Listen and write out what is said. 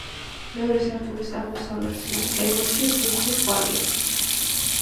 მეორე სართულის აღმოსავლეთ კედელში ბუხრის კვალია.